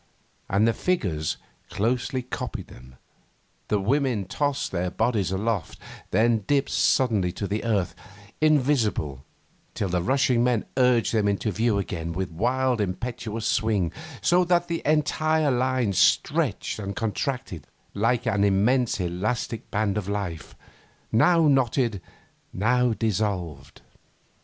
And the figures closely copied them. The women tossed their bodies aloft, then dipped suddenly to the earth, invisible, till the rushing men urged them into view again with wild impetuous swing, so that the entire line stretched and contracted like an immense elastic band of life, now knotted, now dissolved.